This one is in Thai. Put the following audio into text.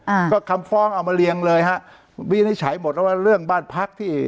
อ่าก็คำฟ้องเอามาเรียงเลยฮะวินิจฉัยหมดแล้วว่าเรื่องบ้านพักที่